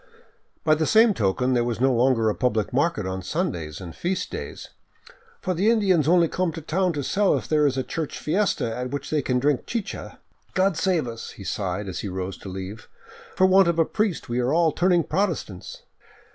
By the same token there was no longer a public market on Sundays and feast days, " for the Indians only come to town to sell if there is a church fiesta at which they can drink chicha." " God save us," he sighed as he rose to leave, " for want of a priest we are all turning Protestants